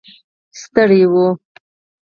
ستړي و.